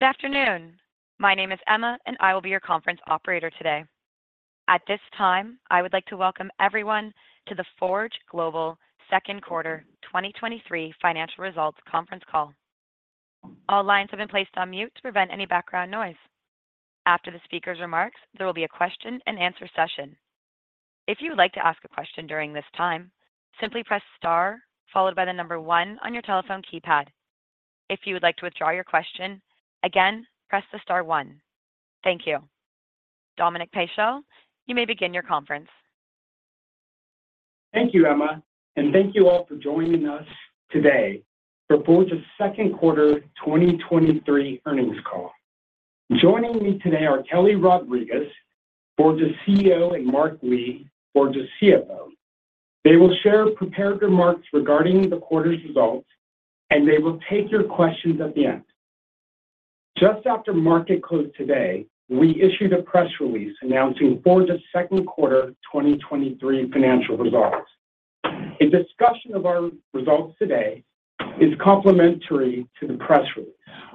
Good afternoon. My name is Emma, I will be your conference operator today. At this time, I would like to welcome everyone to the Forge Global Q2 2023 Financial Results Conference Call. All lines have been placed on mute to prevent any background noise. After the speaker's remarks, there will be a question-and-answer session. If you would like to ask a question during this time, simply press star followed by the number one on your telephone keypad. If you would like to withdraw your question, again, press the star one. Thank you. Dominic Paschel, you may begin your conference. Thank you, Emma, thank you all for joining us today for Forge's Q2 2023 earnings call. Joining me today are Kelly Rodriques, Forge's CEO, and Mark Lee, Forge's CFO. They will share prepared remarks regarding the quarter's results. They will take your questions at the end. Just after market close today, we issued a press release announcing Forge's Q2 2023 financial results. A discussion of our results today is complementary to the press release,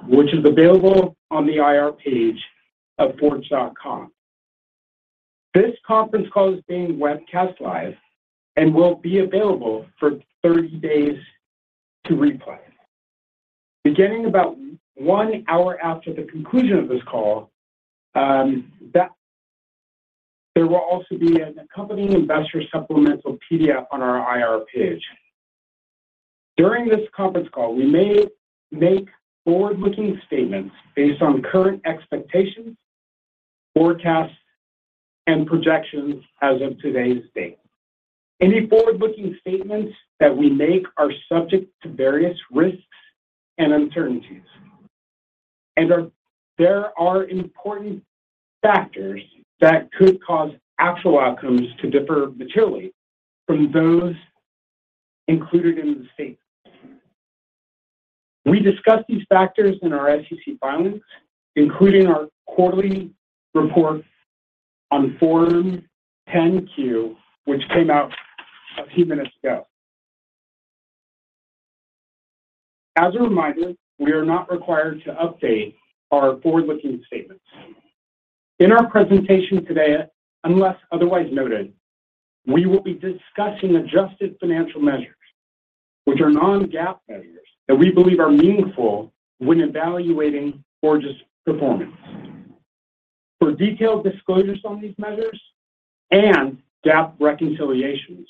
which is available on the IR page of forge.com. This conference call is being webcast live and will be available for 30 days to replay. Beginning about one hour after the conclusion of this call, that-- there will also be an accompanying investor supplemental PDF on our IR page. During this conference call, we may make forward-looking statements based on current expectations, forecasts, and projections as of today's date. Any forward-looking statements that we make are subject to various risks and uncertainties, and there are important factors that could cause actual outcomes to differ materially from those included in the statement. We discussed these factors in our SEC filings, including our quarterly report on Form 10-Q, which came out a few minutes ago. As a reminder, we are not required to update our forward-looking statements. In our presentation today, unless otherwise noted, we will be discussing adjusted financial measures, which are non-GAAP measures that we believe are meaningful when evaluating Forge's performance. For detailed disclosures on these measures and GAAP reconciliations,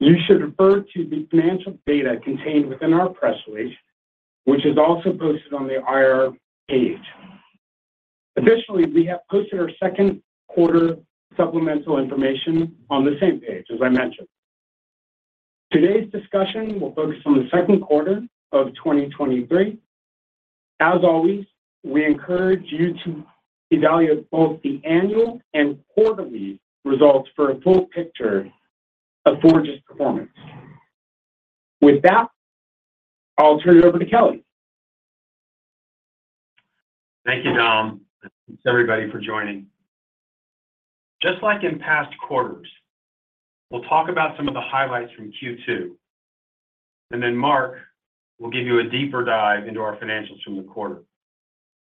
you should refer to the financial data contained within our press release, which is also posted on the IR page. Additionally, we have posted our Q2 supplemental information on the same page, as I mentioned. Today's discussion will focus on the Q2 of 2023. As always, we encourage you to evaluate both the annual and quarterly results for a full picture of Forge's performance. With that, I'll turn it over to Kelly. Thank you, Dom. Thanks, everybody, for joining. Just like in past quarters, we'll talk about some of the highlights from Q2. Then Mark will give you a deeper dive into our financials from the quarter.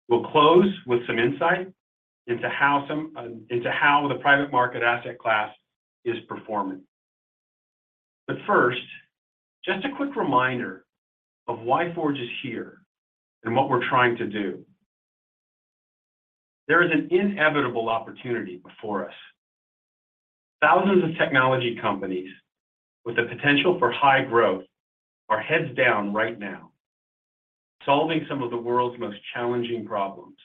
We'll close with some insight into how the private market asset class is performing. First, just a quick reminder of why Forge is here and what we're trying to do. There is an inevitable opportunity before us. Thousands of technology companies with the potential for high growth are heads down right now, solving some of the world's most challenging problems.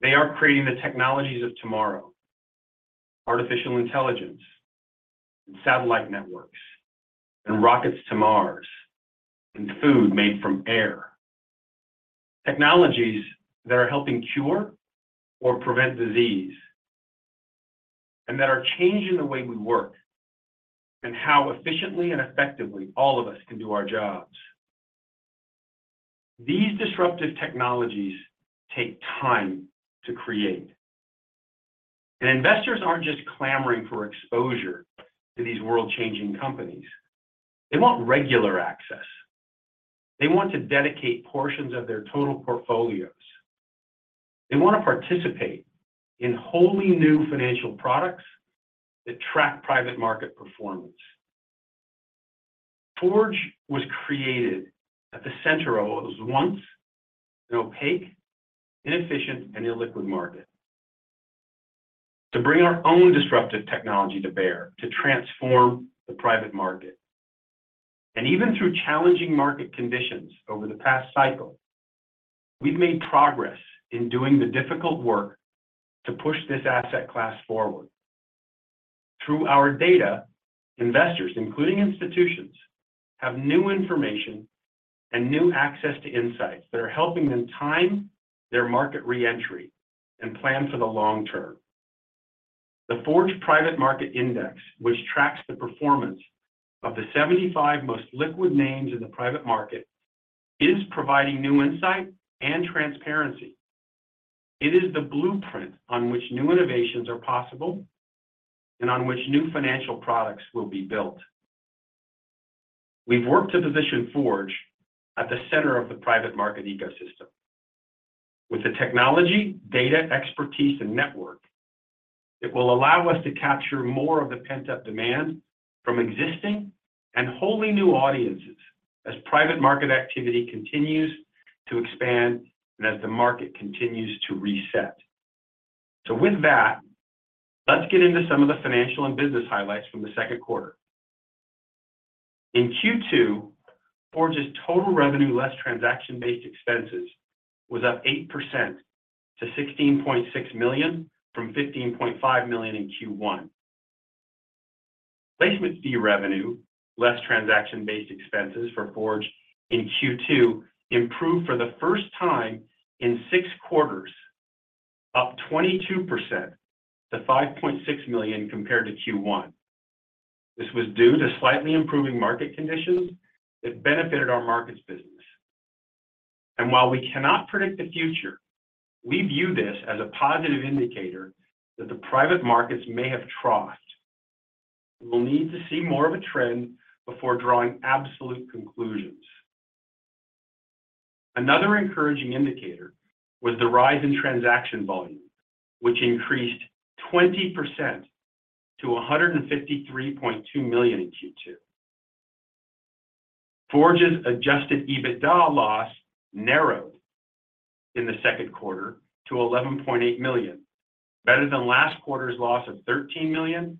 They are creating the technologies of tomorrow: artificial intelligence, satellite networks, and rockets to Mars, and food made from air. Technologies that are helping cure or prevent disease, that are changing the way we work and how efficiently and effectively all of us can do our jobs. These disruptive technologies take time to create. Investors aren't just clamoring for exposure to these world-changing companies. They want regular access. They want to dedicate portions of their total portfolios. They want to participate in wholly new financial products that track private market performance. Forge was created at the center of what was once an opaque, inefficient, and illiquid market to bring our own disruptive technology to bear, to transform the private market. Even through challenging market conditions over the past cycle, we've made progress in doing the difficult work to push this asset class forward. Through our data, investors, including institutions, have new information and new access to insights that are helping them time their market re-entry and plan for the long term. The Forge Private Market Index, which tracks the performance of the 75 most liquid names in the private market, is providing new insight and transparency. It is the blueprint on which new innovations are possible and on which new financial products will be built. We've worked to position Forge at the center of the private market ecosystem. With the technology, data, expertise, and network, it will allow us to capture more of the pent-up demand from existing and wholly new audiences as private market activity continues to expand and as the market continues to reset. With that, let's get into some of the financial and business highlights from the Q2. In Q2, Forge's total revenue, less transaction-based expenses, was up 8% to $16.6 million from $15.5 million in Q1. Placement fee revenue, less transaction-based expenses for Forge in Q2, improved for the first time in six quarters, up 22% to $5.6 million compared to Q1. This was due to slightly improving market conditions that benefited our markets business. While we cannot predict the future, we view this as a positive indicator that the private markets may have crossed. We'll need to see more of a trend before drawing absolute conclusions. Another encouraging indicator was the rise in transaction volume, which increased 20% to $153.2 million in Q2. Forge's adjusted EBITDA loss narrowed in the Q2 to $11.8 million, better than last quarter's loss of $13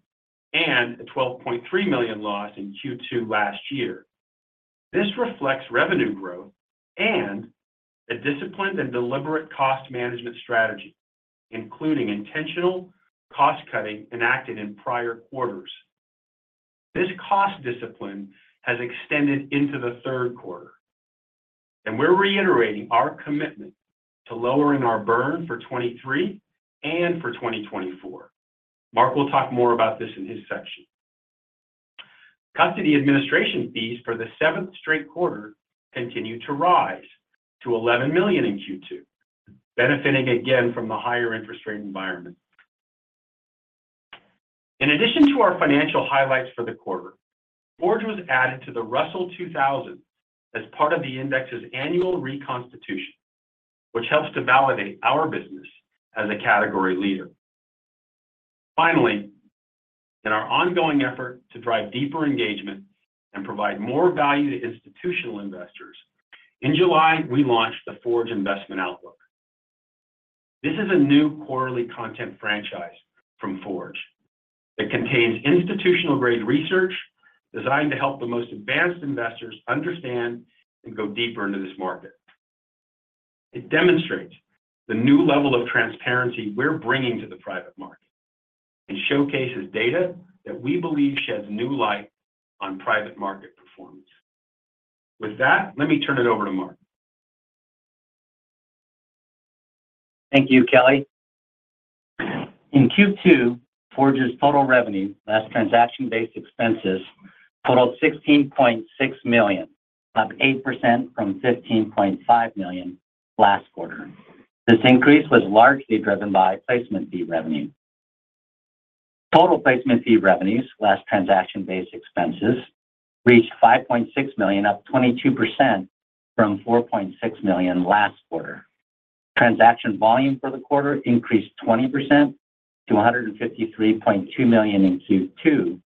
million and a $12.3 million loss in Q2 last year. This reflects revenue growth and a disciplined and deliberate cost management strategy, including intentional cost-cutting enacted in prior quarters. This cost discipline has extended into the Q3, and we're reiterating our commitment to lowering our burn for 2023 and for 2024. Mark will talk more about this in his section. Custody administration fees for the seventh straight quarter continued to rise to $11 million in Q2, benefiting again from the higher interest rate environment. In addition to our financial highlights for the quarter, Forge was added to the Russell 2000 as part of the index's annual reconstitution, which helps to validate our business as a category leader. Finally, in our ongoing effort to drive deeper engagement and provide more value to institutional investors, in July, we launched the Forge Investment Outlook. This is a new quarterly content franchise from Forge. It contains institutional-grade research designed to help the most advanced investors understand and go deeper into this market. It demonstrates the new level of transparency we're bringing to the private market and showcases data that we believe sheds new light on private market performance. With that, let me turn it over to Mark. Thank you, Kelly. In Q2, Forge's total revenue, less transaction-based expenses, totaled $16.6 million, up 8% from $15.5 million last quarter. This increase was largely driven by placement fee revenue. Total placement fee revenues, less transaction-based expenses, reached $5.6 million, up 22% from $4.6 million last quarter. Transaction volume for the quarter increased 20% to $153.2 million in Q2,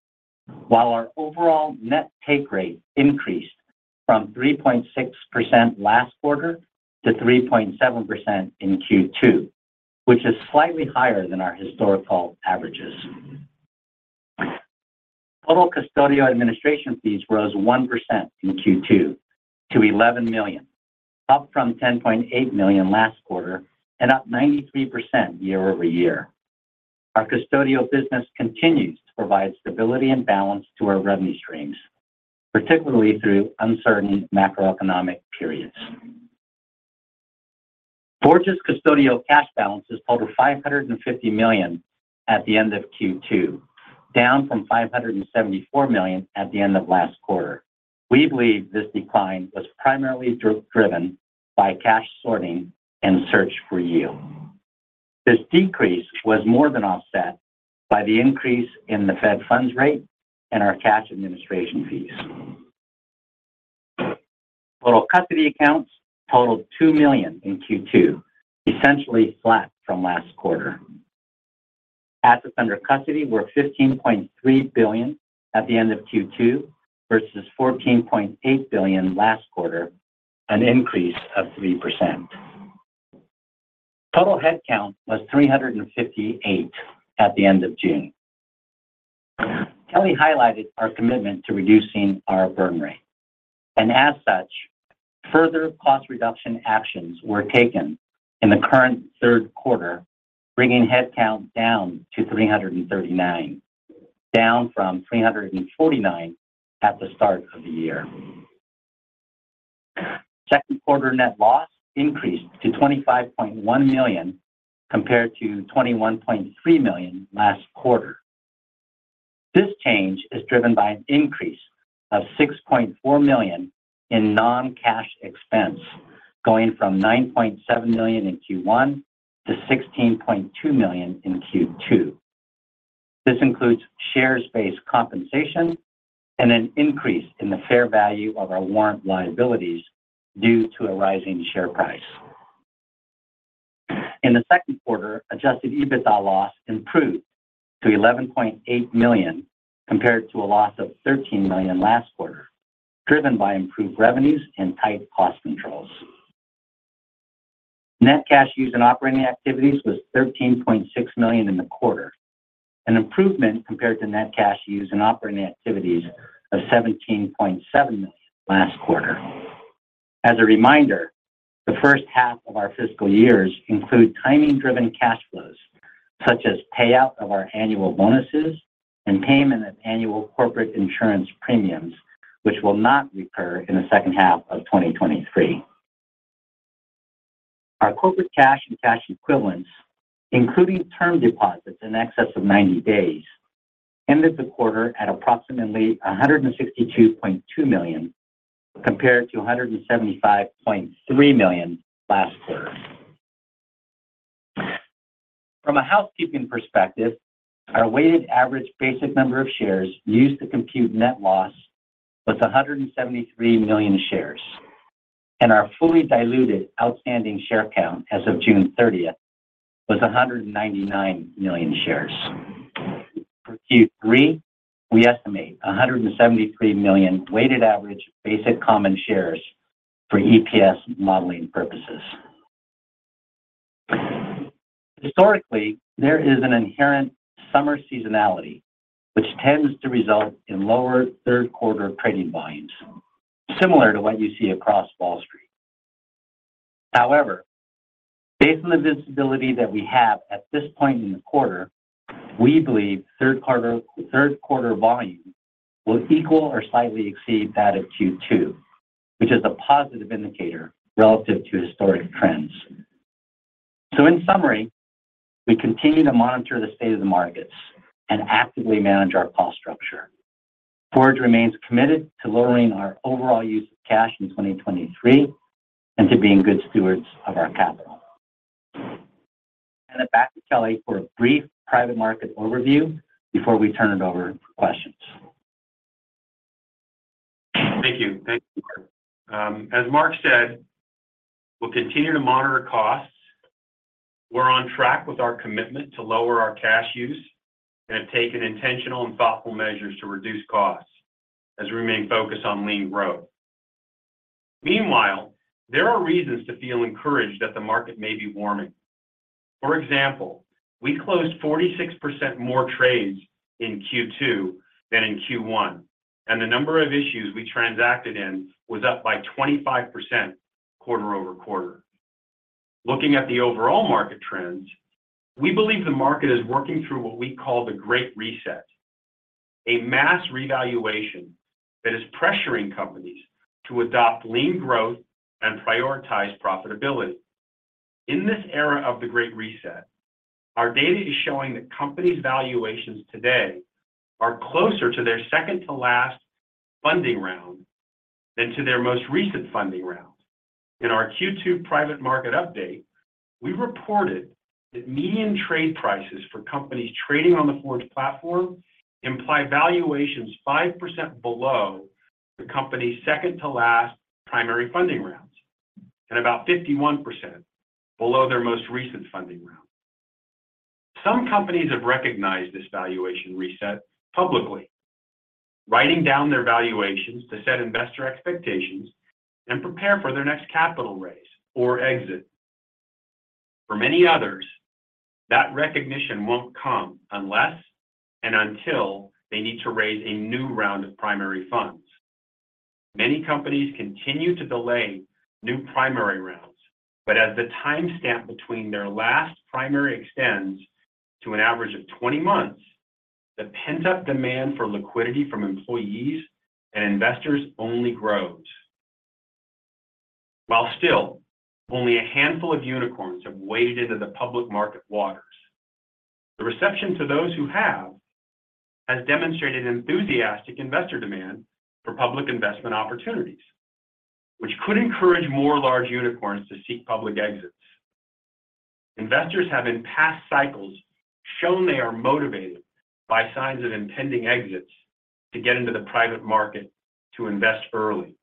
while our overall net take rate increased from 3.6% last quarter to 3.7% in Q2, which is slightly higher than our historical averages. Total custodial administration fees rose 1% in Q2 to $11 million, up from $10.8 million last quarter and up 93% year-over-year. Our custodial business continues to provide stability and balance to our revenue streams, particularly through uncertain macroeconomic periods. Forge's custodial cash balances totaled $550 million at the end of Q2, down from $574 million at the end of last quarter. We believe this decline was primarily driven by cash sorting and search for yield. This decrease was more than offset by the increase in the Fed funds rate and our cash administration fees. Total custody accounts totaled 2 million in Q2, essentially flat from last quarter. Assets under custody were $15.3 billion at the end of Q2 versus $14.8 billion last quarter, an increase of 3%. Total headcount was 358 at the end of June. Kelly highlighted our commitment to reducing our burn rate, and as such, further cost reduction actions were taken in the current Q3, bringing headcount down to 339, down from 349 at the start of the year. Q2 net loss increased to $25.1 million compared to $21.3 million last quarter. This change is driven by an increase of $6.4 million in non-cash expense, going from $9.7 million in Q1 to $16.2 million in Q2. This includes share-based compensation and an increase in the fair value of our warrant liabilities due to a rising share price. In the Q2, adjusted EBITDA loss improved to $11.8 million, compared to a loss of $13 million last quarter, driven by improved revenues and tight cost controls. Net cash used in operating activities was $13.6 million in the quarter, an improvement compared to net cash used in operating activities of $17.7 million last quarter. As a reminder, the first half of our fiscal years include timing-driven cash flows, such as payout of our annual bonuses and payment of annual corporate insurance premiums, which will not recur in the second half of 2023. Our corporate cash and cash equivalents, including term deposits in excess of 90 days, ended the quarter at approximately $162.2 million, compared to $175.3 million last quarter. From a housekeeping perspective, our weighted average basic number of shares used to compute net loss was 173 million shares, and our fully diluted outstanding share count as of June 30th was 199 million shares. For Q3, we estimate 173 million weighted average basic common shares for EPS modeling purposes. Historically, there is an inherent summer seasonality, which tends to result in lower Q3 trading volumes, similar to what you see across Wall Street. However, based on the visibility that we have at this point in the quarter, we believe Q3, Q3 volume will equal or slightly exceed that of Q2, which is a positive indicator relative to historic trends. In summary, we continue to monitor the state of the markets and actively manage our cost structure. Forge remains committed to lowering our overall use of cash in 2023 and to being good stewards of our capital. Then back to Kelly for a brief private market overview before we turn it over for questions. Thank you. Thank you, Mark. As Mark said, we'll continue to monitor costs. We're on track with our commitment to lower our cash use and have taken intentional and thoughtful measures to reduce costs as we remain focused on lean growth. Meanwhile, there are reasons to feel encouraged that the market may be warming. For example, we closed 46% more trades in Q2 than in Q1, and the number of issues we transacted in was up by 25% quarter-over-quarter. Looking at the overall market trends, we believe the market is working through what we call the Great Reset, a mass revaluation that is pressuring companies to adopt lean growth and prioritize profitability. In this era of the Great Reset, our data is showing that companies' valuations today are closer to their second to last funding round than to their most recent funding round. In our Q2 private market update, we reported that median trade prices for companies trading on the Forge platform imply valuations 5% below the company's second to last primary funding rounds, and about 51% below their most recent funding round. Some companies have recognized this valuation reset publicly, writing down their valuations to set investor expectations and prepare for their next capital raise or exit. For many others, that recognition won't come unless and until they need to raise a new round of primary funds. As the timestamp between their last primary extends to an average of 20 months, the pent-up demand for liquidity from employees and investors only grows. Still, only a handful of unicorns have waded into the public market waters. The reception to those who have has demonstrated enthusiastic investor demand for public investment opportunities, which could encourage more large unicorns to seek public exits. Investors have in past cycles, shown they are motivated by signs of impending exits to get into the private market to invest early.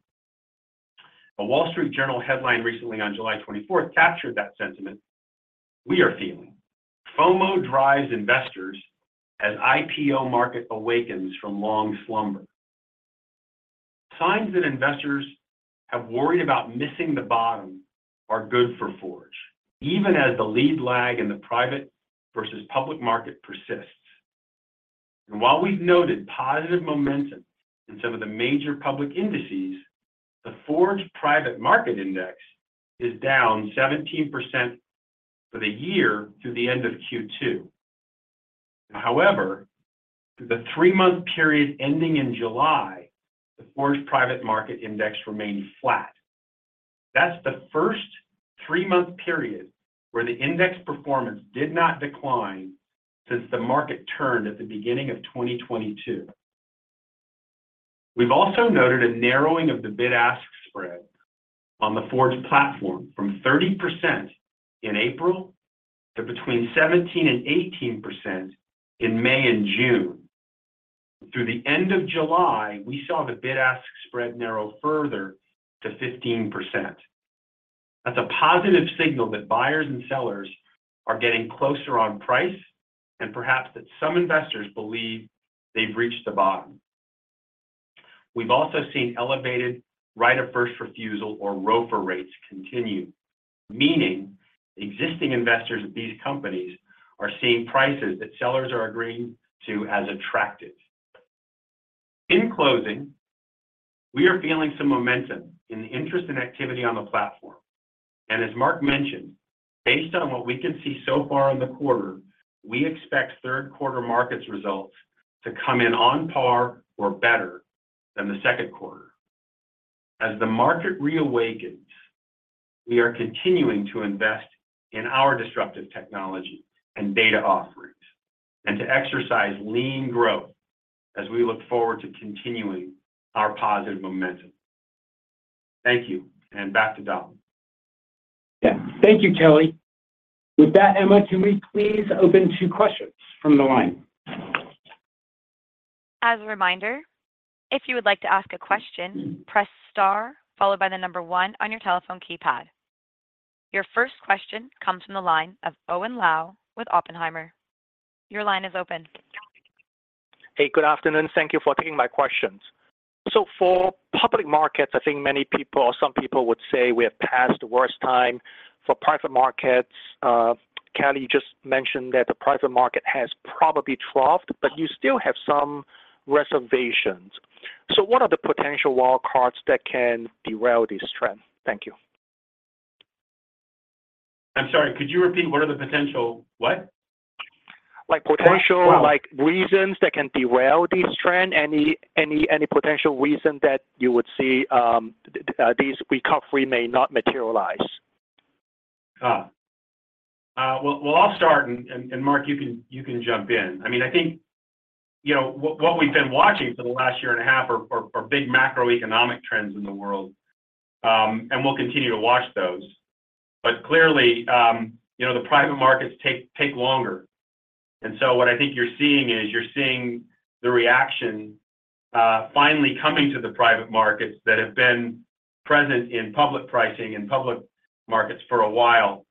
A Wall Street Journal headline recently on July 24th captured that sentiment we are feeling. "FOMO drives investors as IPO market awakens from long slumber." Signs that investors have worried about missing the bottom are good for Forge, even as the lead lag in the private versus public market persists. While we've noted positive momentum in some of the major public indices, the Forge Private Market Index is down 17% for the year through the end of Q2. However, through the 3-month period ending in July, the Forge Private Market Index remained flat. That's the first 3-month period where the index performance did not decline since the market turned at the beginning of 2022. We've also noted a narrowing of the bid-ask spread on the Forge platform from 30% in April to between 17 to 18% in May and June. Through the end of July, we saw the bid-ask spread narrow further to 15%. That's a positive signal that buyers and sellers are getting closer on price, and perhaps that some investors believe they've reached the bottom. We've also seen elevated right of first refusal or ROFR rates continue, meaning existing investors of these companies are seeing prices that sellers are agreeing to as attractive. In closing, we are feeling some momentum in the interest and activity on the platform, and as Mark mentioned, based on what we can see so far in the quarter, we expect Q3 markets results to come in on par or better than the Q2. As the market reawakens, we are continuing to invest in our disruptive technology and data offerings and to exercise lean growth as we look forward to continuing our positive momentum. Thank you, and back to Dom. Yeah. Thank you, Kelly. With that, Emma, can we please open to questions from the line? As a reminder, if you would like to ask a question, press star followed by the number one on your telephone keypad. Your first question comes from the line of Owen Lau with Oppenheimer. Your line is open. Hey, good afternoon. Thank you for taking my questions. For public markets, I think many people or some people would say we have passed the worst time for private markets. Kelly, you just mentioned that the private market has probably troughed, but you still have some reservations. What are the potential wild cards that can derail this trend? Thank you. I'm sorry, could you repeat? What are the potential what? Like. Wow! Like, reasons that can derail this trend? Any, any, any potential reason that you would see, this recovery may not materialize? Well, I'll start, and Mark, you can jump in. I mean, I think, you know, what we've been watching for the last year and a half are big macroeconomic trends in the world, and we'll continue to watch those. Clearly, you know, the private markets take longer, and so what I think you're seeing is the reaction finally coming to the private markets that have been present in public pricing and public markets for a while.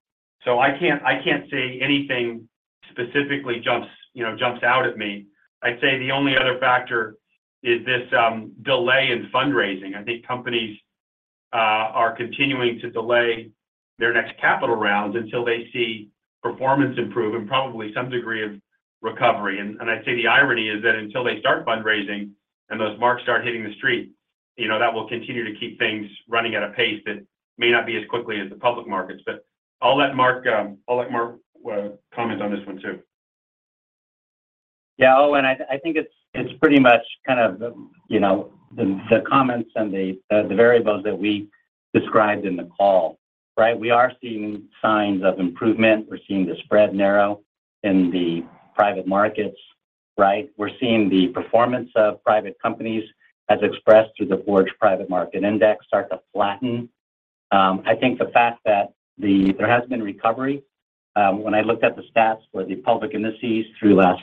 I can't say anything specifically jumps, you know, out at me. I'd say the only other factor is this delay in fundraising. I think companies are continuing to delay their next capital rounds until they see performance improve and probably some degree of recovery. I'd say the irony is that until they start fundraising and those marks start hitting the street, you know, that will continue to keep things running at a pace that may not be as quickly as the public markets. I'll let Mark, I'll let Mark comment on this one too. Yeah, Owen, I, I think it's, it's pretty much kind of, you know, the, the comments and the, the variables that we described in the call, right? We are seeing signs of improvement. We're seeing the spread narrow in the private markets, right? We're seeing the performance of private companies as expressed through the Forge Private Market Index start to flatten. I think the fact that there has been recovery, when I looked at the stats for the public indices through last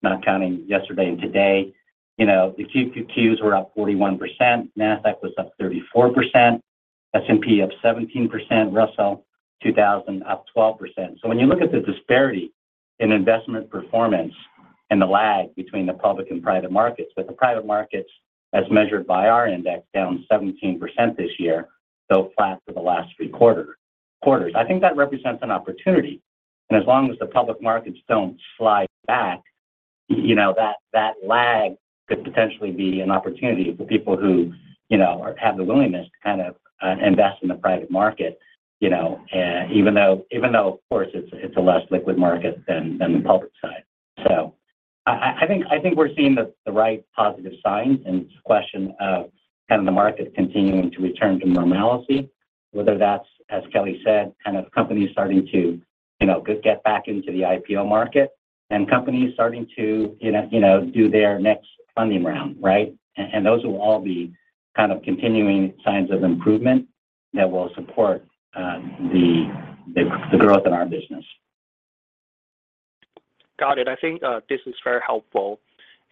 Friday, not counting yesterday and today, you know, the QQQs were up 41%, Nasdaq was up 34%, S&P up 17%, Russell 2000 up 12%. When you look at the disparity in investment performance and the lag between the public and private markets, with the private markets as measured by our Index, down 17% this year, so flat for the last three quarters, I think that represents an opportunity. As long as the public markets don't slide back, you know, that lag could potentially be an opportunity for people who, you know, have the willingness to kind of invest in the private market, you know, even though, of course, it's a less liquid market than the public side. I think we're seeing the right positive signs, and it's a question of kind of the market continuing to return to normalcy, whether that's, as Kelly said, kind of companies starting to, you know, get back into the IPO market and companies starting to, you know, do their next funding round, right? Those will all be kind of continuing signs of improvement that will support the growth in our business. Got it. I think this is very helpful.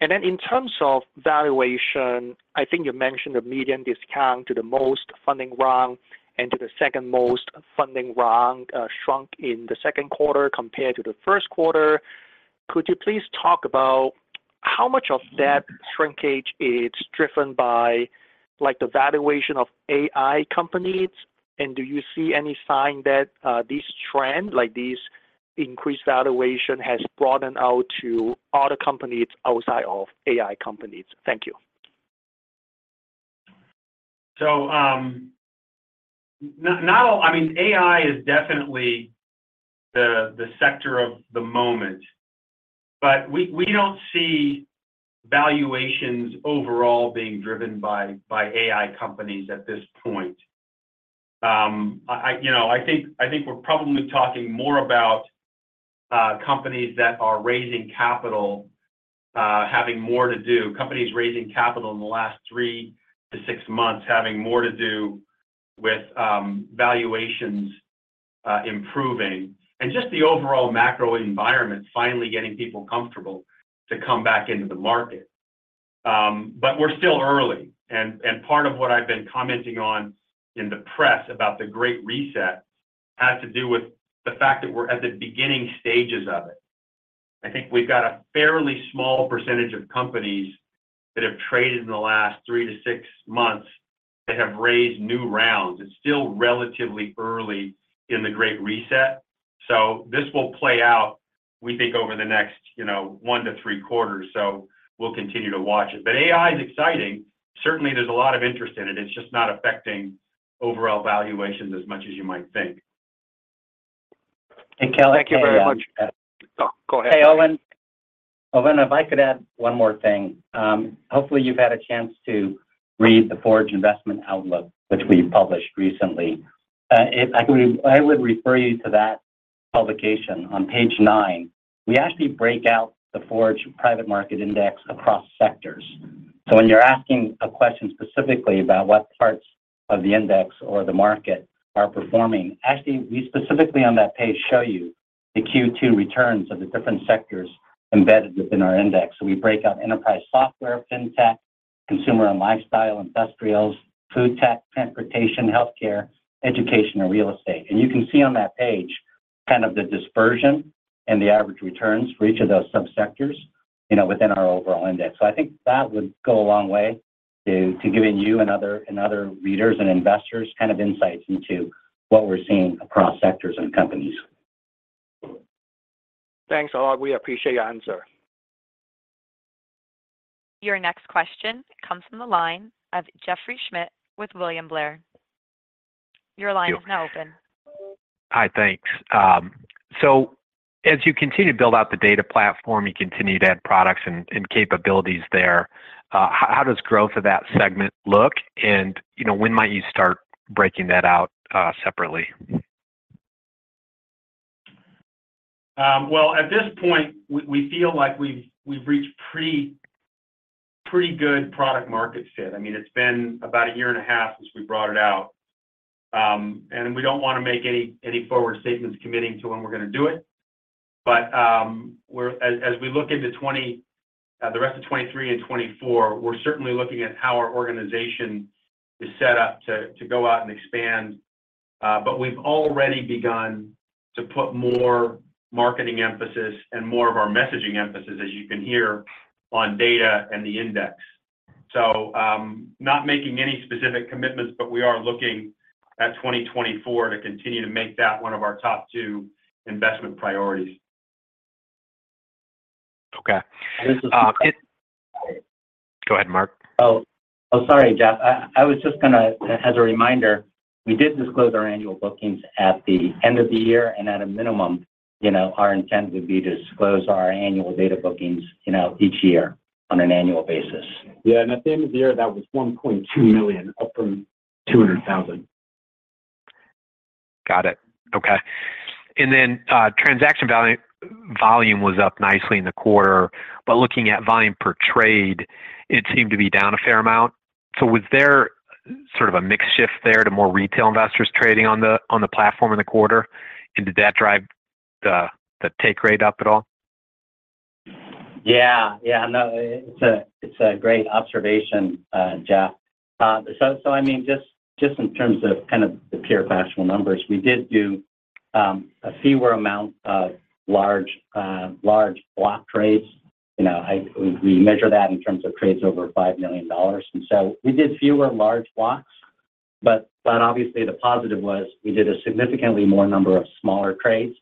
In terms of valuation, I think you mentioned the median discount to the most funding round and to the second most funding round, shrunk in the Q2 compared to the Q1. Could you please talk about how much of that shrinkage is driven by, like, the valuation of AI companies, and do you see any sign that this trend, like this increased valuation, has broadened out to other companies outside of AI companies? Thank you. Now, I mean, AI is definitely the, the sector of the moment, but we, we don't see valuations overall being driven by, by AI companies at this point. I, you know, I think, I think we're probably talking more about companies that are raising capital, having more to do, companies raising capital in the last 3 to 6 months, having more to do with valuations improving, and just the overall macro environment, finally getting people comfortable to come back into the market. We're still early, and part of what I've been commenting on in the press about the Great Reset has to do with the fact that we're at the beginning stages of it. I think we've got a fairly small percentage of companies that have traded in the last three to six months that have raised new rounds. It's still relatively early in the Great Reset. This will play out, we think, over the next, you know, one to three quarters. We'll continue to watch it. AI is exciting. Certainly, there's a lot of interest in it. It's just not affecting overall valuations as much as you might think. Hey, Kelly. Thank you very much. Oh, go ahead. Hey, Owen. Owen, if I could add one more thing. Hopefully, you've had a chance to read the Forge Investment Outlook, which we published recently. If I could, I would refer you to that publication. On page nine, we actually break out the Forge Private Market Index across sectors. When you're asking a question specifically about what parts of the index or the market are performing, actually, we specifically on that page show you the Q2 returns of the different sectors embedded within our index. We break out enterprise software, Fintech, consumer and lifestyle, industrials, food tech, transportation, healthcare, education, and real estate. You can see on that page kind of the dispersion and the average returns for each of those subsectors, you know, within our overall index. I think that would go a long way to giving you and other, and other readers and investors kind of insights into what we're seeing across sectors and companies. Thanks a lot. We appreciate your answer. Your next question comes from the line of Jeffrey Schmitt with William Blair. Your line is now open. Hi, thanks. As you continue to build out the data platform, you continue to add products and capabilities there, how does growth of that segment look? You know, when might you start breaking that out separately? Well, at this point, we, we feel like we've, we've reached pretty, pretty good product market fit. I mean, it's been about a year and a half since we brought it out. We don't want to make any, any forward statements committing to when we're going to do it, but we're as, as we look into the rest of 2023 and 2024, we're certainly looking at how our organization is set up to, to go out and expand. We've already begun to put more marketing emphasis and more of our messaging emphasis, as you can hear, on data and the index. Not making any specific commitments, but we are looking at 2024 to continue to make that 1 of our top 2 investment priorities. Okay. This is- Go ahead, Mark. Oh, oh, sorry, Jeff. I, I was just gonna, as a reminder, we did disclose our annual bookings at the end of the year, and at a minimum, you know, our intent would be to disclose our annual data bookings, you know, each year on an annual basis. Yeah, at the end of the year, that was $1.2 million, up from $200,000. Got it. Okay. Then, transaction value- volume was up nicely in the quarter, but looking at volume per trade, it seemed to be down a fair amount. Was there sort of a mix shift there to more retail investors trading on the platform in the quarter? Did that drive the take rate up at all? Yeah. Yeah, no, it's a, it's a great observation, Jeff. I mean, just, just in terms of kind of the pure factual numbers, we did do a fewer amount of large, large block trades. You know, we measure that in terms of trades over $5 million, and so we did fewer large blocks, but obviously the positive was we did a significantly more number of smaller trades,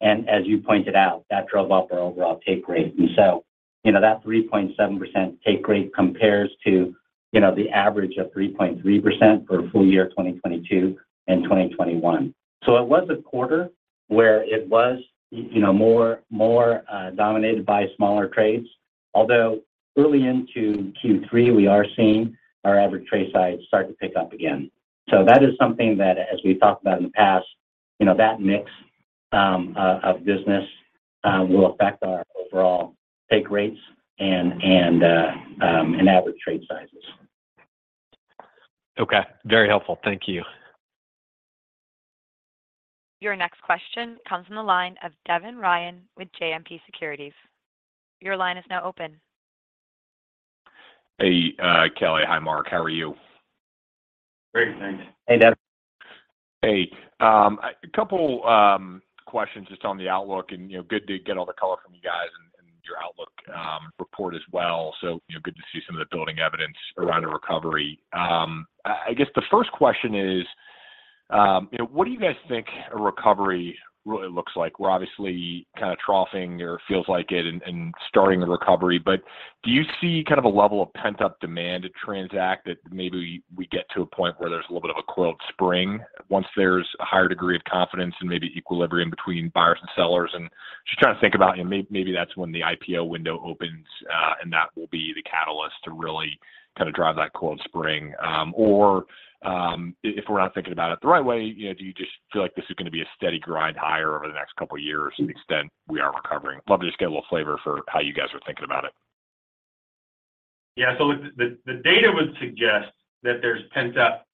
and as you pointed out, that drove up our overall take rate. So, you know, that 3.7% take rate compares to, you know, the average of 3.3% for full year 2022 and 2021. It was a quarter where it was, you know, more, more, dominated by smaller trades. Although early into Q3, we are seeing our average trade size start to pick up again. That is something that, as we've talked about in the past, you know, that mix of business will affect our overall take rates and, and average trade sizes. Okay. Very helpful. Thank you. Your next question comes from the line of Devin Ryan with JMP Securities. Your line is now open. Hey, Kelly. Hi, Mark, how are you? Great, thanks. Hey, Devin. Hey, a couple, questions just on the outlook and, you know, good to get all the color from you guys and, and your outlook, report as well. You know, good to see some of the building evidence around the recovery. I, I guess the first question is, you know, what do you guys think a recovery really looks like? We're obviously kind of troughing, or feels like it, and, and starting a recovery, but do you see kind of a level of pent-up demand to transact that maybe we get to a point where there's a little bit of a, quote, "spring," once there's a higher degree of confidence and maybe equilibrium between buyers and sellers? Just trying to think about, you know, maybe that's when the IPO window opens, and that will be the catalyst to really-... kind of drive that coiled spring? If we're not thinking about it the right way, you know, do you just feel like this is going to be a steady grind higher over the next couple of years to the extent we are recovering? Love to just get a little flavor for how you guys are thinking about it. Yeah. The, the, the data would suggest that there's pent-up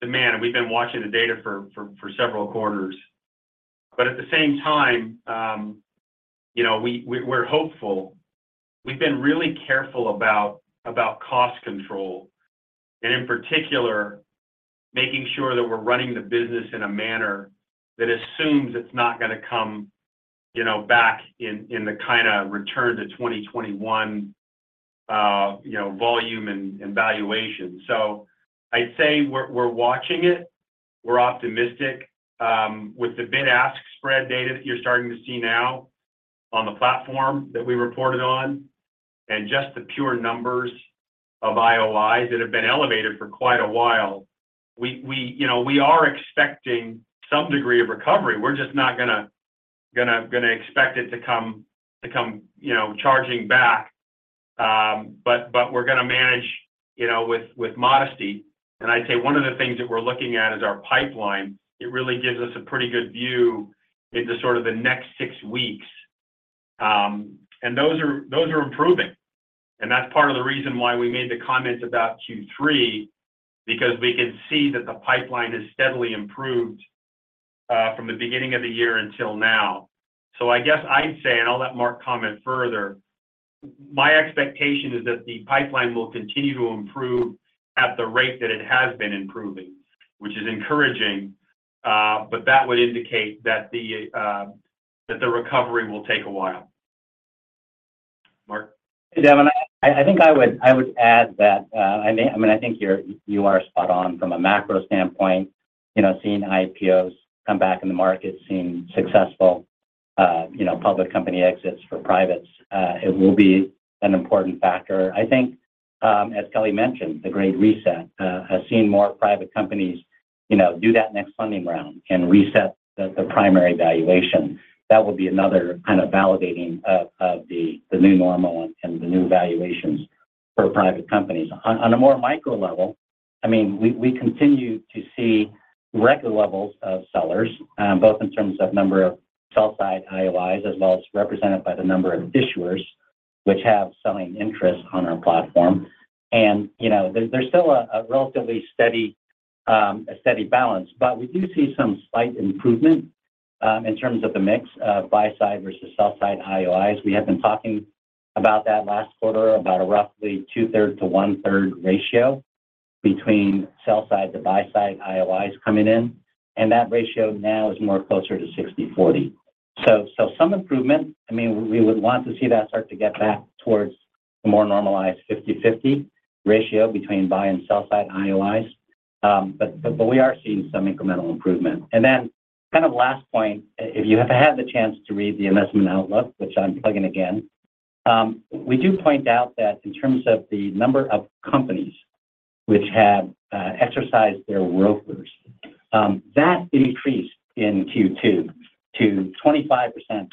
demand, and we've been watching the data for, for, for several quarters. At the same time, you know, we, we're hopeful. We've been really careful about, about cost control, and in particular, making sure that we're running the business in a manner that assumes it's not going to come, you know, back in, in the kind of return to 2021, you know, volume and, and valuation. I'd say we're, we're watching it. We're optimistic. With the bid-ask spread data that you're starting to see now on the platform that we reported on, and just the pure numbers of IOIs that have been elevated for quite a while, we, we, you know, we are expecting some degree of recovery. We're just not gonna, gonna, gonna expect it to come, to come, you know, charging back. We're gonna manage, you know, with, with modesty. I'd say one of the things that we're looking at is our pipeline. It really gives us a pretty good view into sort of the next six weeks. Those are, those are improving, and that's part of the reason why we made the comments about Q3, because we can see that the pipeline has steadily improved from the beginning of the year until now. I guess I'd say, and I'll let Mark comment further, my expectation is that the pipeline will continue to improve at the rate that it has been improving, which is encouraging, but that would indicate that the, that the recovery will take a while. Mark? Devin, I, I think I would, I would add that, I think you are spot on from a macro standpoint. You know, seeing IPOs come back in the market, seeing successful, you know, public company exits for privates, it will be an important factor. I think, as Kelly mentioned, the Great Reset has seen more private companies, you know, do that next funding round and reset the, the primary valuation. That will be another kind of validating of, of the, the new normal and, and the new valuations for private companies. On, on a more micro level, we, we continue to see record levels of sellers, both in terms of number of sell-side IOIs, as well as represented by the number of issuers which have selling interest on our platform. you know, there's, there's still a, a relatively steady, a steady balance, but we do see some slight improvement in terms of the mix of buy-side versus sell-side IOIs. We have been talking about that last quarter, about a roughly 2/3 to 1/3 ratio between sell-side to buy-side IOIs coming in, and that ratio now is more closer to 60/40. I mean, we would want to see that start to get back towards a more normalized 50/50 ratio between buy and sell-side IOIs. but we are seeing some incremental improvement. Then kind of last point, if you have had the chance to read the Investment Outlook, which I'm plugging again, we do point out that in terms of the number of companies which have exercised their ROFRs, that increased in Q2 to 25%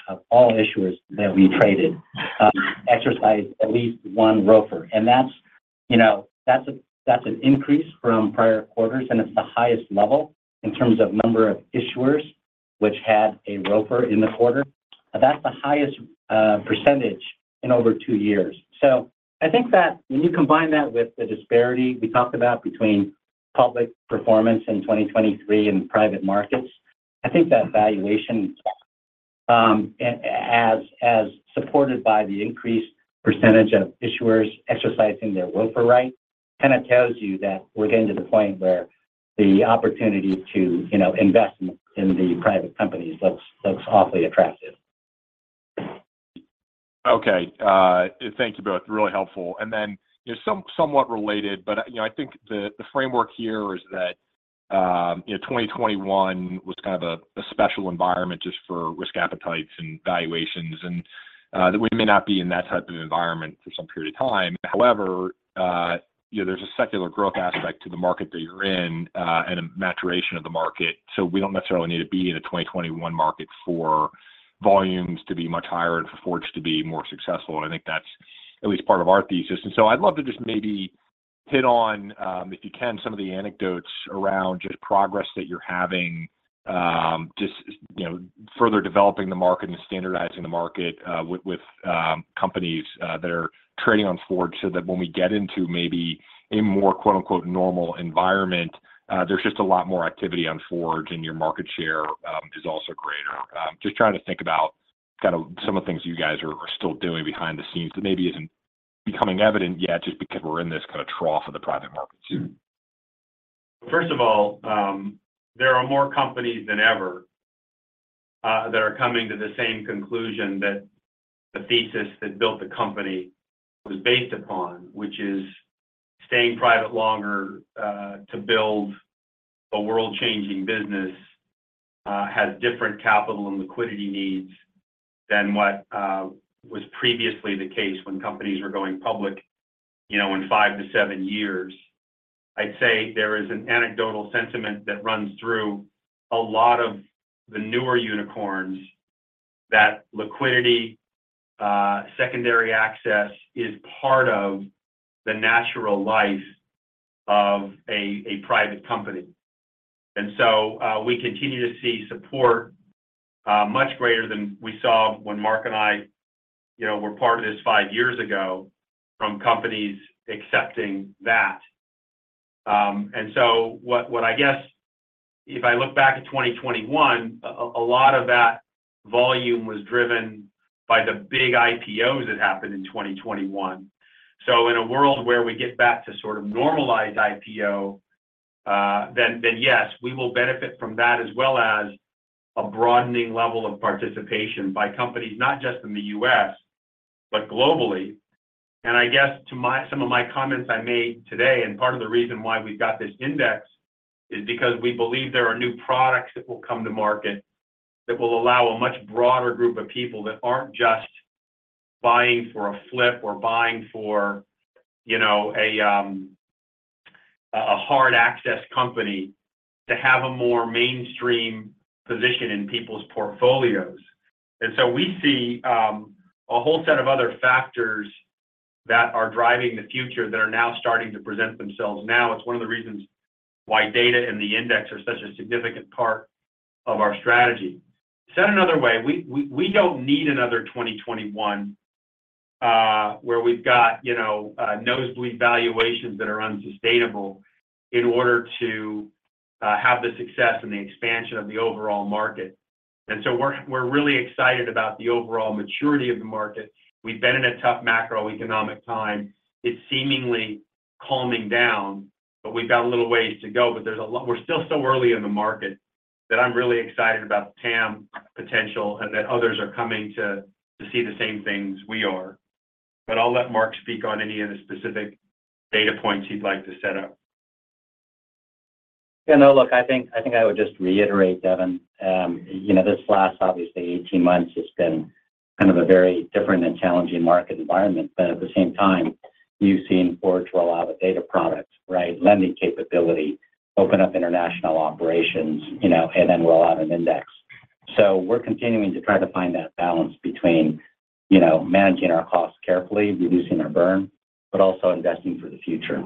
of all issuers that we traded, exercised at least one ROFR. That's, you know, that's an increase from prior quarters, and it's the highest level in terms of number of issuers which had a ROFR in the quarter. That's the highest percentage in over 2 years. I think that when you combine that with the disparity we talked about between public performance in 2023 and private markets, I think that valuation, as, as supported by the increased percentage of issuers exercising their ROFR rights, kind of tells you that we're getting to the point where the opportunity to, you know, invest in the private companies looks, looks awfully attractive. Okay. Thank you both. Really helpful. You know, somewhat related, but, you know, I think the framework here is that, you know, 2021 was kind of a special environment just for risk appetites and valuations, and that we may not be in that type of environment for some period of time. However, you know, there's a secular growth aspect to the market that you're in, and a maturation of the market. We don't necessarily need to be in a 2021 market for volumes to be much higher and for Forge to be more successful. I think that's at least part of our thesis. I'd love to just maybe hit on, if you can, some of the anecdotes around just progress that you're having, just, you know, further developing the market and standardizing the market, with, with, companies, that are trading on Forge, so that when we get into maybe a more, quote-unquote, "normal environment," there's just a lot more activity on Forge, and your market share, is also greater. Just trying to think about kind of some of the things you guys are, are still doing behind the scenes that maybe isn't becoming evident yet, just because we're in this kind of trough of the private markets. First of all, there are more companies than ever, that are coming to the same conclusion that the thesis that built the company was based upon, which is staying private longer, to build a world-changing business, has different capital and liquidity needs than what, was previously the case when companies were going public, you know, in five to seven years. I'd say there is an anecdotal sentiment that runs through a lot of the newer unicorns, that liquidity, secondary access is part of the natural life of a, a private company. We continue to see support, much greater than we saw when Mark and I, you know, were part of this five years ago, from companies accepting that. what I guess if I look back at 2021, a lot of that volume was driven by the big IPOs that happened in 2021. In a world where we get back to sort of normalized IPO, then, then yes, we will benefit from that, as well as a broadening level of participation by companies, not just in the US, but globally. I guess to some of my comments I made today, and part of the reason why we've got this index, is because we believe there are new products that will come to market that will allow a much broader group of people that aren't just buying for a flip or buying for, you know, a hard access company, to have a more mainstream position in people's portfolios. We see a whole set of other factors that are driving the future, that are now starting to present themselves now. It's one of the reasons why data and the index are such a significant part of our strategy. Said another way, we, we, we don't need another 2021, where we've got, you know, nosebleed valuations that are unsustainable in order to have the success and the expansion of the overall market. We're, we're really excited about the overall maturity of the market. We've been in a tough macroeconomic time. It's seemingly calming down, but we've got a little ways to go, but there's a lot. We're still so early in the market, that I'm really excited about the TAM potential, and that others are coming to, to see the same thing as we are. I'll let Mark speak on any of the specific data points he'd like to set up. Yeah, no, look, I think, I think I would just reiterate, Devin. You know, this last, obviously, 18 months has been kind of a very different and challenging market environment. At the same time, you've seen Forge roll out a data product, right? Lending capability, open up international operations, you know, roll out an index. We're continuing to try to find that balance between, you know, managing our costs carefully, reducing our burn, but also investing for the future.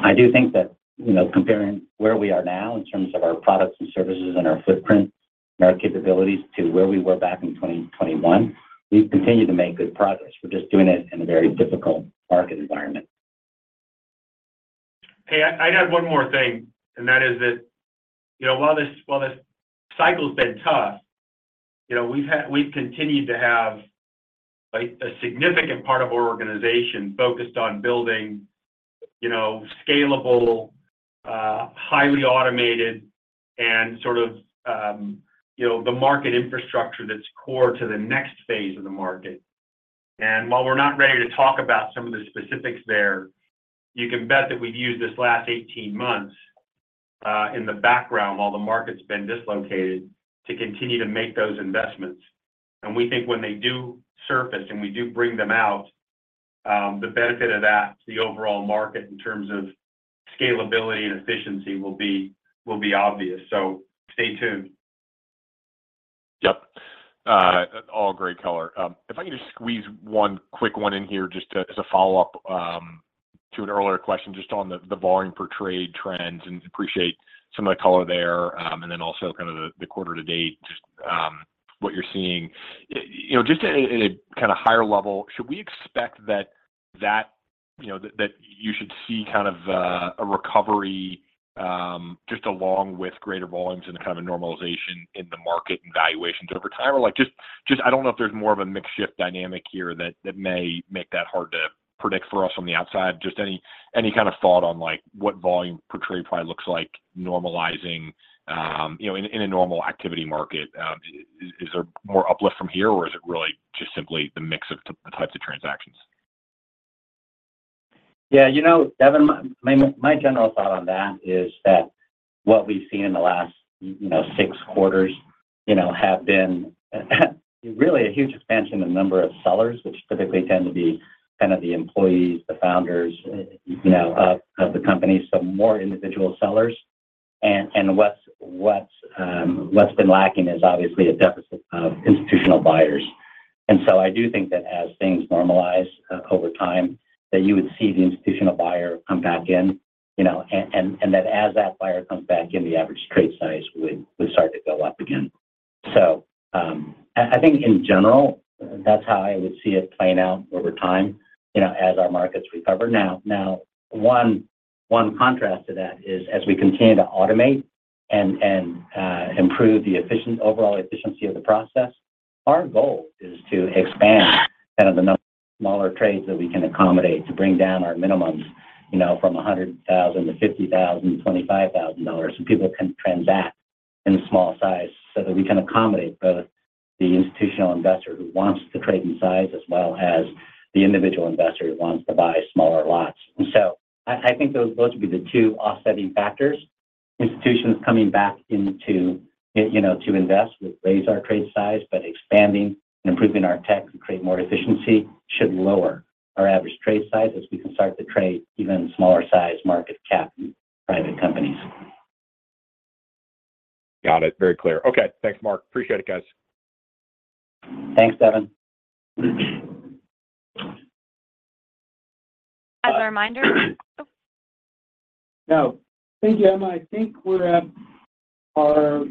I do think that, you know, comparing where we are now in terms of our products and services, and our footprint and our capabilities to where we were back in 2021, we've continued to make good progress. We're just doing it in a very difficult market environment. Hey, I'd add one more thing, and that is that, you know, while this, while this cycle's been tough, you know, we've continued to have a, a significant part of our organization focused on building, you know, scalable, highly automated and sort of, you know, the market infrastructure that's core to the next phase of the market. While we're not ready to talk about some of the specifics there, you can bet that we've used this last 18 months, in the background, while the market's been dislocated, to continue to make those investments. We think when they do surface, and we do bring them out, the benefit of that to the overall market in terms of scalability and efficiency will be, will be obvious. Stay tuned. Yep. All great color. If I can just squeeze one quick one in here, just to, as a follow-up to an earlier question, just on the volume per trade trends, and appreciate some of the color there. Then also, kind of the quarter to date, just what you're seeing. You know, just at a, at a kind of higher level, should we expect that, that, you know, that, that you should see kind of a, a recovery, just along with greater volumes and a kind of a normalization in the market and valuations over time? Or like, just, just, I don't know if there's more of a mixed shift dynamic here that, that may make that hard to predict for us on the outside. Just any, any kind of thought on, like, what volume per trade probably looks like normalizing, you know, in, in a normal activity market. Is there more uplift from here, or is it really just simply the mix of the types of transactions? Yeah, you know, Devin, my general thought on that is that what we've seen in the last, you know, 6 quarters, you know, have been really a huge expansion in the number of sellers, which typically tend to be kind of the employees, the founders, you know, of the company. More individual sellers. What's been lacking is obviously a deficit of institutional buyers. I do think that as things normalize over time, that you would see the institutional buyer come back in, you know, and that as that buyer comes back in, the average trade size would start to go up again. I think in general, that's how I would see it playing out over time, you know, as our markets recover. Now, one contrast to that is, as we continue to automate and, and improve the overall efficiency of the process, our goal is to expand kind of the number of smaller trades that we can accommodate, to bring down our minimums, you know, from $100,000 to $50,000, $25,000, so people can transact in small size. That we can accommodate both the institutional investor who wants to trade in size, as well as the individual investor who wants to buy smaller lots. So I think those, those would be the two offsetting factors. Institutions coming back into, you know, to invest would raise our trade size, but expanding and improving our tech to create more efficiency should lower our average trade size as we can start to trade even smaller size market cap private companies. Got it. Very clear. Okay. Thanks, Mark. Appreciate it, guys. Thanks, Devin. As a reminder. No. Thank you, Emma. I think we're at our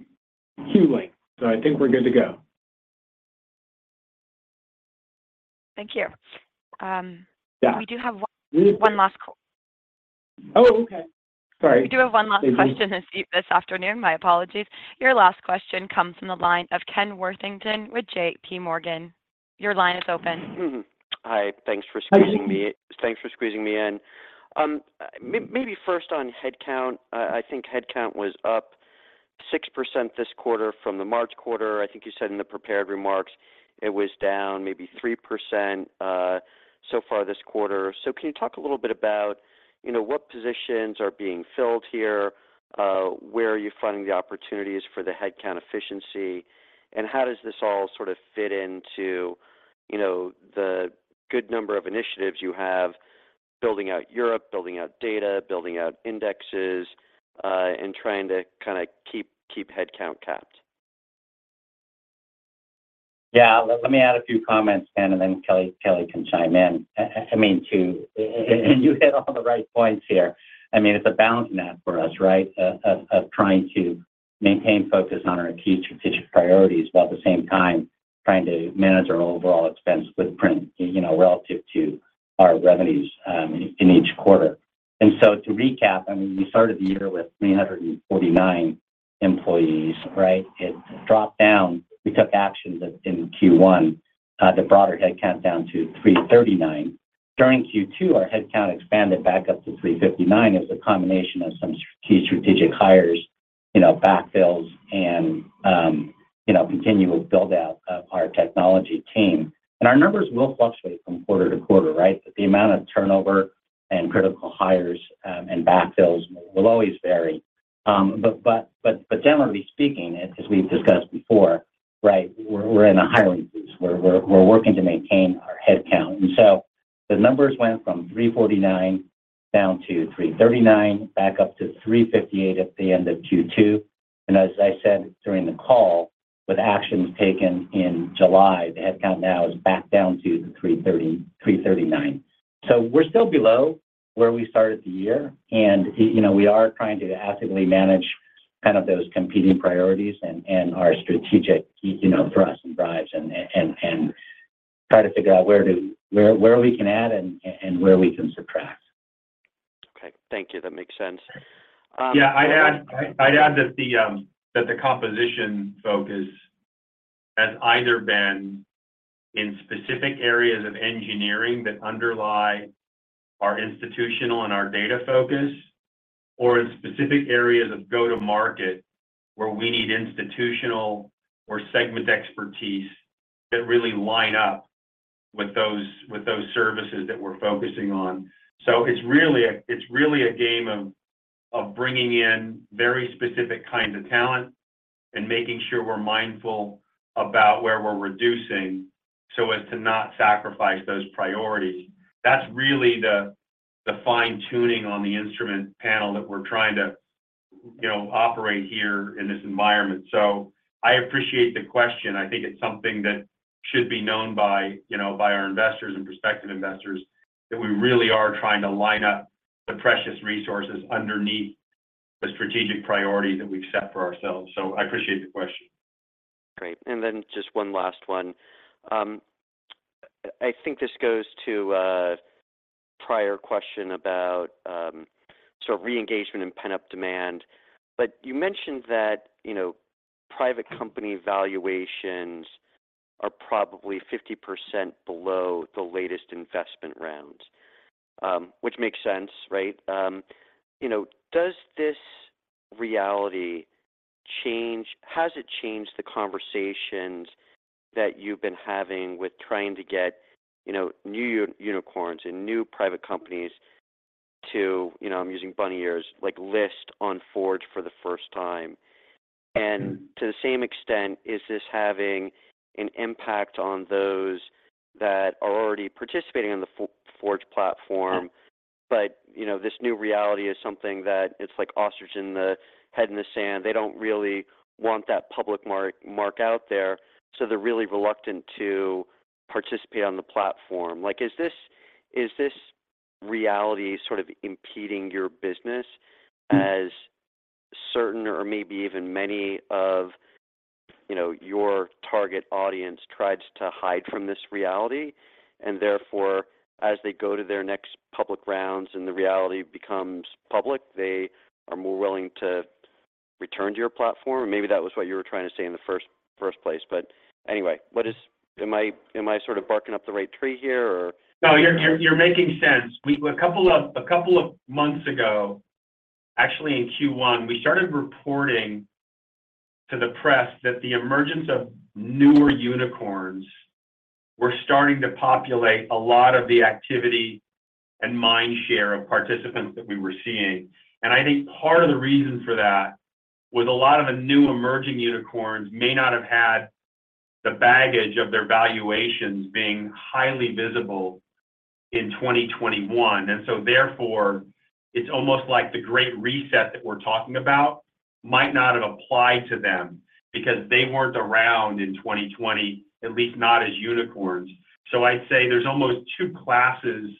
Q link, so I think we're good to go. Thank you. Yeah. We do have one last call. Oh, okay. Sorry. We do have one last question this afternoon. My apologies. Your last question comes from the line of Ken Worthington with JPMorgan. Your line is open. Mm-hmm. Hi. Thanks for squeezing me in. Maybe first on headcount, I think headcount was up 6% this quarter from the March quarter. I think you said in the prepared remarks it was down maybe 3% so far this quarter. Can you talk a little bit about, you know, what positions are being filled here? Where are you finding the opportunities for the headcount efficiency, and how does this all sort of fit into, you know, the good number of initiatives you have, building out Europe, building out data, building out indexes, and trying to kinda keep, keep headcount capped? Yeah, let me add a few comments, Ken, and then Kelly, Kelly can chime in. I mean, you hit all the right points here. I mean, it's a balancing act for us, right, of trying to maintain focus on our key strategic priorities, while at the same time trying to manage our overall expense footprint, you know, relative to our revenues, in each quarter. To recap, I mean, we started the year with 349 employees, right? It dropped down. We took actions in Q1, the broader headcount down to 339. During Q2, our headcount expanded back up to 359 as a combination of some strategic hires, you know, backfills and, you know, continual build-out of our technology team. Our numbers will fluctuate from quarter to quarter, right? The amount of turnover and critical hires, and backfills will always vary. Generally speaking, as we've discussed before, right, we're in a hiring freeze, where we're working to maintain our headcount. The numbers went from 349 down to 339, back up to 358 at the end of Q2. As I said during the call, with actions taken in July, the headcount now is back down to the 339. We're still below where we started the year, and, you know, we are trying to actively manage kind of those competing priorities and our strategic, you know, thrust and drives and try to figure out where to where we can add and where we can subtract. Okay. Thank you. That makes sense. Yeah, I'd add, I'd add that the, that the composition focus has either been in specific areas of engineering that underlie our institutional and our data focus, or in specific areas of go-to-market, where we need institutional or segment expertise that really line up with those, with those services that we're focusing on. It's really it's really a game of, of bringing in very specific kinds of talent and making sure we're mindful about where we're reducing so as to not sacrifice those priorities. That's really the, the fine-tuning on the instrument panel that we're trying to, you know, operate here in this environment. I appreciate the question. I think it's something that should be known by, you know, by our investors and prospective investors, that we really are trying to line up the precious resources underneath the strategic priorities that we've set for ourselves. I appreciate the question. Great. Then just one last one. I think this goes to a prior question about, so reengagement and pent-up demand. You mentioned that, you know, private company valuations are probably 50% below the latest investment rounds, which makes sense, right? You know, does this reality change-- Has it changed the conversations that you've been having with trying to get, you know, new unicorns and new private companies to, you know, I'm using bunny ears, like, list on Forge for the first time? To the same extent, is this having an impact on those that are already participating on the Forge platform, but, you know, this new reality is something that it's like ostrich in the head in the sand? They don't really want that public mark out there, so they're really reluctant to participate on the platform. Like, is this, is this reality sort of impeding your business as certain or maybe even many of, you know, your target audience tries to hide from this reality, and therefore, as they go to their next public rounds and the reality becomes public, they are more willing to return to your platform? Maybe that was what you were trying to say in the first, first place. Anyway, what is... Am I, am I sort of barking up the right tree here or? No, you're, you're, you're making sense. A couple of, a couple of months ago, actually in Q1, we started reporting to the press that the emergence of newer unicorns were starting to populate a lot of the activity-... and mind share of participants that we were seeing. I think part of the reason for that, with a lot of the new emerging unicorns, may not have had the baggage of their valuations being highly visible in 2021. Therefore, it's almost like the Great Reset that we're talking about might not have applied to them because they weren't around in 2020, at least not as unicorns. I'd say there's almost two classes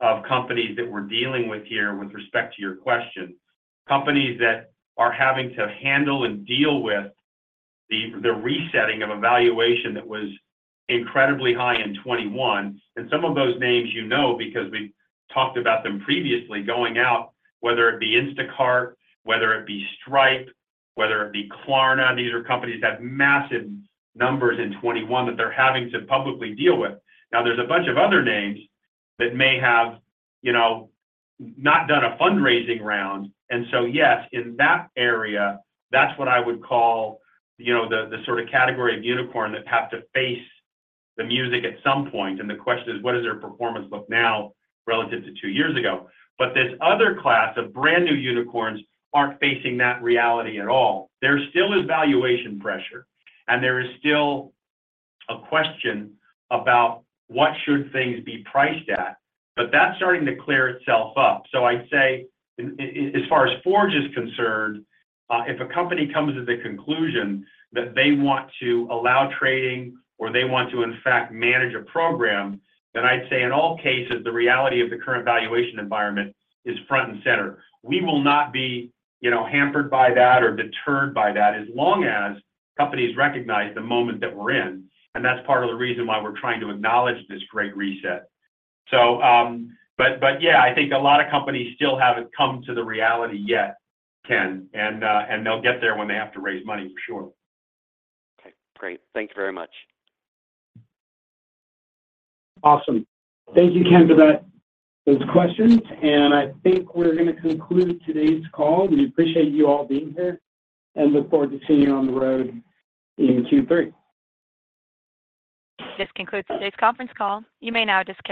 of companies that we're dealing with here with respect to your question. Companies that are having to handle and deal with the, the resetting of a valuation that was incredibly high in 2021, and some of those names you know, because we've talked about them previously going out, whether it be Instacart, whether it be Stripe, whether it be Klarna, these are companies that have massive numbers in 2021 that they're having to publicly deal with. Now, there's a bunch of other names that may have, you know, not done a fundraising round. Yes, in that area, that's what I would call, you know, the, the sort of category of unicorn that have to face the music at some point. The question is, what does their performance look now relative to 2 years ago? This other class of brand new unicorns aren't facing that reality at all. There still is valuation pressure, and there is still a question about what should things be priced at, but that's starting to clear itself up. I'd say, as, as far as Forge is concerned, if a company comes to the conclusion that they want to allow trading or they want to, in fact, manage a program, then I'd say in all cases, the reality of the current valuation environment is front and center. We will not be, you know, hampered by that or deterred by that as long as companies recognize the moment that we're in, and that's part of the reason why we're trying to acknowledge this Great Reset. Yeah, I think a lot of companies still haven't come to the reality yet, Ken, and they'll get there when they have to raise money, for sure. Okay, great. Thank you very much. Awesome. Thank you, Ken, for that, those questions. I think we're going to conclude today's call. We appreciate you all being here and look forward to seeing you on the road in Q3. This concludes today's conference call. You may now disconnect.